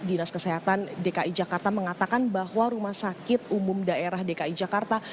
dinas kesehatan dki jakarta mengatakan bahwa rumah sakit umum daerah dki jakarta